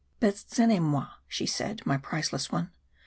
"Beztzenny moi," she said, "my priceless one.